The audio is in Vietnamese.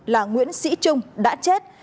là nguyễn sĩ trung đã chết